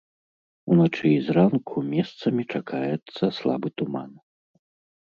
Уначы і зранку месцамі чакаецца слабы туман.